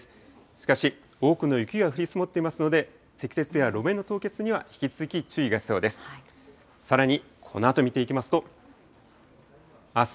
しかし、多くの雪が降り積もっていますので、積雪や路面の凍結には引き続き注意が必要です。